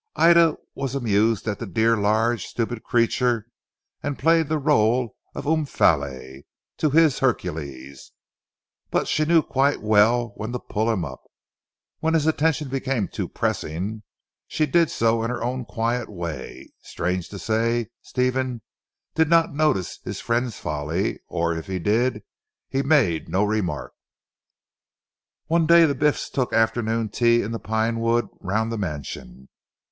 Ida was amused at the dear, large, stupid creature and played the rôle of Omphale to his Hercules, but she knew quite well when to pull him up. When his attentions became too pressing she did so in her own quiet way. Strange to say Stephen did not notice his friend's folly, or if he did, he made no remark. One day the Biffs took afternoon tea in the pine wood round the mansion.